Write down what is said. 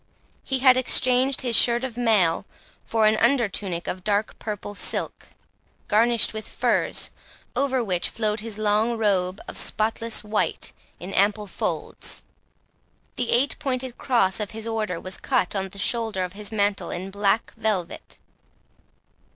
He had exchanged his shirt of mail for an under tunic of dark purple silk, garnished with furs, over which flowed his long robe of spotless white, in ample folds. The eight pointed cross of his order was cut on the shoulder of his mantle in black velvet.